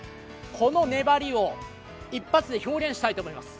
この粘りを一発で表現したいと思います。